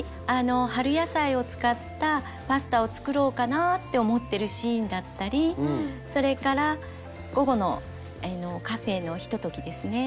「春野菜を使ったパスタを作ろうかな」って思ってるシーンだったりそれから午後のカフェのひとときですね。